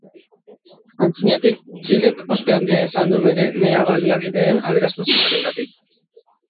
Antzinatik Txilek ospe handia izan du bere mea-baliabideen aberastasunarengatik.